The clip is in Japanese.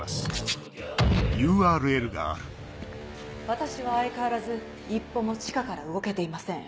私は相変わらず一歩も地下から動けていません。